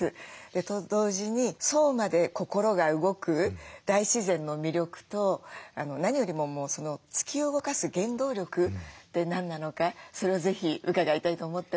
と同時にそうまで心が動く大自然の魅力と何よりも突き動かす原動力って何なのかそれを是非伺いたいと思ってます。